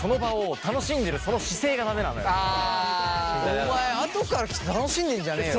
お前後から来て楽しんでんじゃねよ！